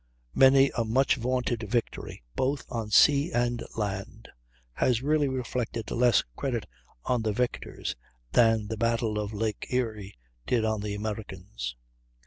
Many a much vaunted victory, both on sea and land, has really reflected less credit on the victors than the battle of Lake Erie did on the Americans.